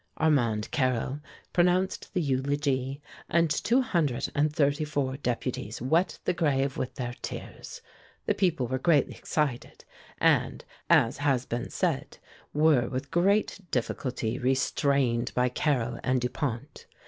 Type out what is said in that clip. Armand Carrel pronounced the eulogy, and two hundred and thirty four deputies wet the grave with their tears. The people were greatly excited, and, as has been said, were with great difficulty restrained by Carrel and Dupont.